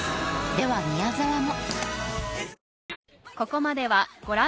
では宮沢も。